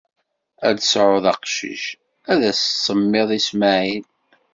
Ad d-tesɛuḍ acqcic, ad s-tsemmiḍ Ismaɛil.